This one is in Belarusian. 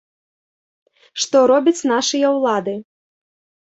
Што робяць нашыя ўлады!?